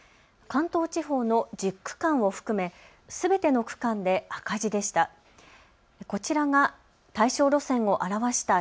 関東地方の１０区間を含めすべての区間で赤字でした。